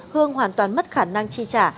hương hoàn toàn mất khả năng chi trả